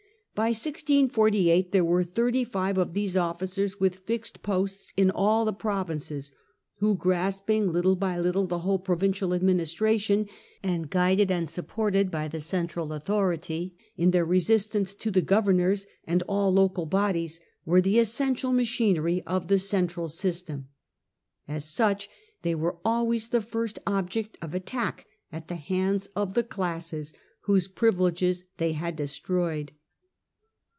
By 1648 there were thirty five of these officers with fixed posts in all the provinces, who, grasping little by little the whole provincial administration, and guided and supported by the central authority in their resistance to the governors and all local bodies, were the essential machinery of the central system. As such they were always the first object 1626. Richelieu and Privilege. II of attack at the hands of the classes whose privileges they had destroyed.